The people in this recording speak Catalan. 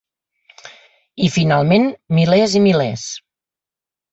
I, finalment, milers i milers.